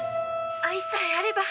愛さえあれば。